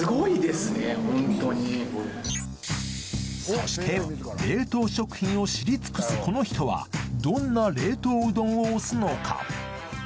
そして冷凍食品を知り尽くすこの人はどんな冷凍うどんを推すのか？